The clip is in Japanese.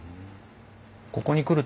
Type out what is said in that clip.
ここに来る